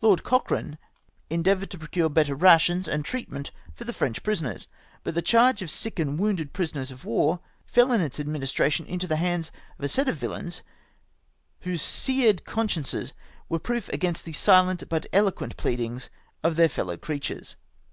Lord Cochrane endeavoured to procure better lo8 SHAMEFUL TREATMENT OF PRISONERS OF WAR. rations and treatment for the Frencli prisoners, but the charge of sick and wounded prisoners of war fell in its administration into the hands of a set of villains whose seared consciences were proof against the silent but eloquent pleadings of their fellow creatures."